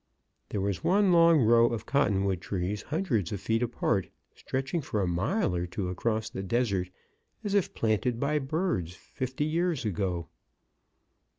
There was one long row of cottonwood trees hundreds of feet apart, stretching for a mile or two across the desert, as if planted by birds fifty years ago.